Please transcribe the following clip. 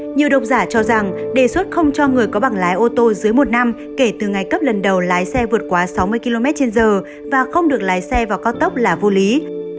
nhiều độc giả cho rằng đề xuất không cho người có bằng lái ô tô dưới một năm kể từ ngày cấp lần đầu lái xe vượt qua sáu mươi kmh và không được lái xe vào cao tốc là vô lý